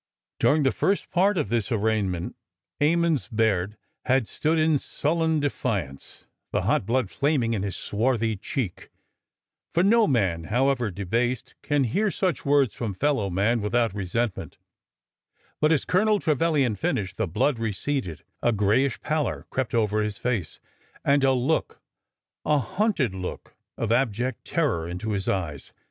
During the first part of this arraignment, Emmons Baird had stood in sullen defiance, the hot blood flaming in his swarthy cheek — for no man, however debased, can hear such words from fellow man without resentment; but as Colonel Trevilian finished, the blood receded, a grayish pallor crept over his face, and a look— a hunted look — of abject terror into his eyes.